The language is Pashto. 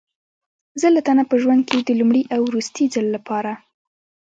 زه له تا نه په ژوند کې د لومړي او وروستي ځل لپاره.